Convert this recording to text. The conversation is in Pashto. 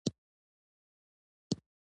همدا مې هر څه دى.